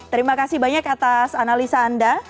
terima kasih banyak atas analisa anda